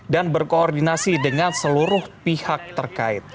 dan berkoordinasi dengan seluruh pihak terkait